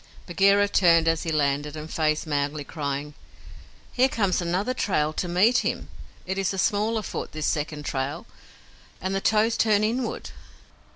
Bagheera turned as he landed, and faced Mowgli, crying, "Here comes another trail to meet him. It is a smaller foot, this second trail, and the toes turn inward."